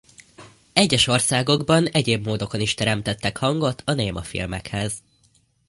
Egyes országokban egyéb módokon is teremtettek hangot a némafilmekhez.